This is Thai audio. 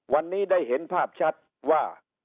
วันนี้ได้เห็นภาพชัดว่า